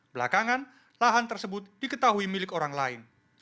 belakangan lahan tersebut diketahui milik orang lain